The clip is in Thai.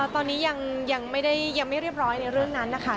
คุณบอกได้ไหมครับทุกคน